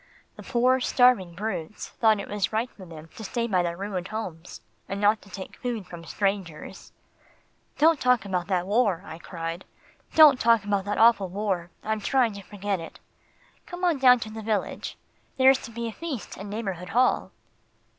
The poor starving brutes thought it was right for them to stay by their ruined homes, and not to take food from strangers." "Don't talk about that war," I cried, "don't talk about that awful war I'm trying to forget it. Come on down to the village. There's to be a feast in Neighbourhood Hall."